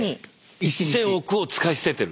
１０００億を使い捨ててる？